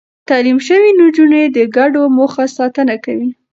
تعليم شوې نجونې د ګډو موخو ساتنه کوي.